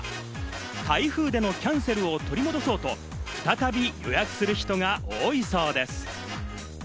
台風でのキャンセルを取り戻そうと再び予約する人が多いそうです。